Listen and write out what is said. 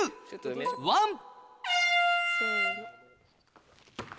せの。